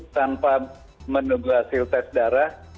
tanpa menunggu hasil tes darah